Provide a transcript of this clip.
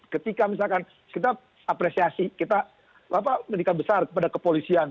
ketika misalkan kita apresiasi kita menikah besar kepada kepolisian